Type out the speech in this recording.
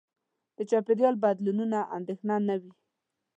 د چاپېریال بدلونونو اندېښنه نه وي.